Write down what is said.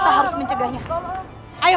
kita harus mencegahnya ayo